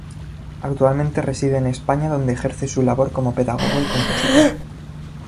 Actualmente reside en España donde ejerce su labor como pedagogo y compositor.